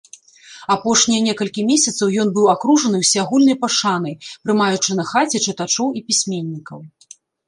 Апошнія некалькі месяцаў ён быў акружаны ўсеагульнай пашанай, прымаючы на хаце чытачоў і пісьменнікаў.